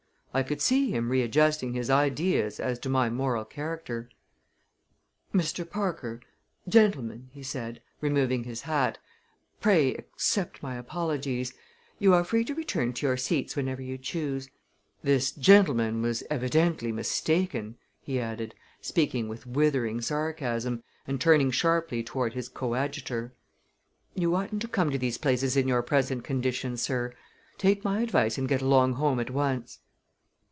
I could see him readjusting his ideas as to my moral character. "Mr. Parker gentlemen," he said, removing his hat, "pray accept my apologies. You are free to return to your seats whenever you choose. This gentleman was evidently mistaken," he added, speaking with withering sarcasm and turning sharply toward his coadjutor. "You oughtn't to come to these places in your present condition, sir. Take my advice and get along home at once."